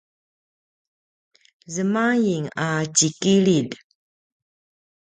zemaing a tjikililj